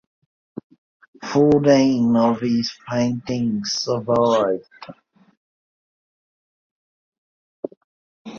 Fourteen of his paintings survived.